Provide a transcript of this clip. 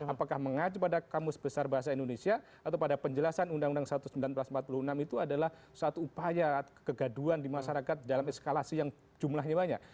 apakah mengacu pada kamus besar bahasa indonesia atau pada penjelasan undang undang seribu sembilan ratus empat puluh enam itu adalah satu upaya kegaduan di masyarakat dalam eskalasi yang jumlahnya banyak